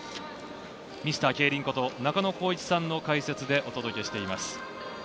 ミスター競輪こと中野浩一さんの解説でお届けしています。